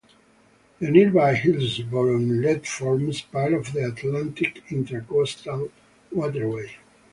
The nearby Hillsboro Inlet forms part of the Atlantic Intracoastal Waterway.